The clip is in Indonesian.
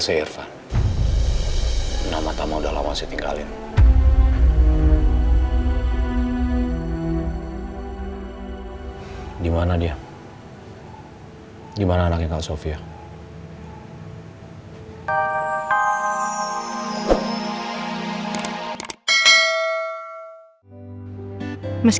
pertama kamu sekarang tinggal dimana